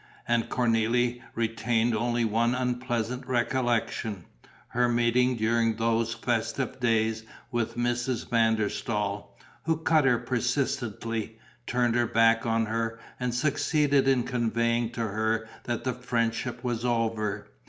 And Cornélie retained only one unpleasant recollection: her meeting during those festive days with Mrs. van der Staal, who cut her persistently, turned her back on her and succeeded in conveying to her that the friendship was over.